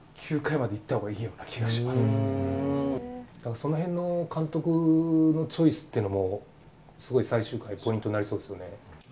その辺の監督のチョイスというのも最終回ポイントになりそうですね。